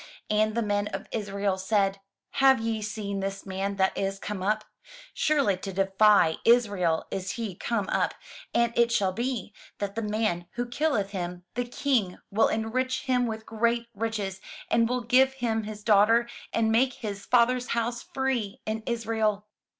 And the men of Israel said, "Have ye seen this man that is come up? Surely to defy Israel is he come up: and it shall be, that the man who killeth him, the king will enrich him with great riches, and will give him his daughter, and make his father's house free in Israel."